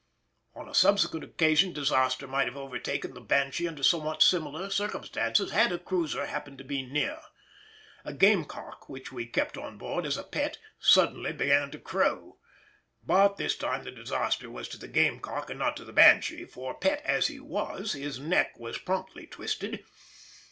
On a subsequent occasion disaster might have overtaken the Banshee under somewhat similar circumstances had a cruiser happened to be near. A game cock which we kept on board as a pet suddenly began to crow. But this time the disaster was to the game cock and not to the Banshee, for, pet as he was, his neck was promptly twisted.